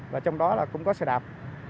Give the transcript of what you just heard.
và trong đó là cũng có xe đạp